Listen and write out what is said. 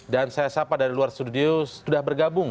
dan saya sapa dari luar studio sudah bergabung